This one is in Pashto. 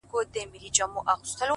• خداى وركړي عجايب وه صورتونه,